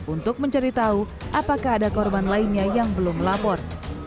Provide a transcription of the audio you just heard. untuk mencari tahu apakah ada korban lainnya yang belum lapor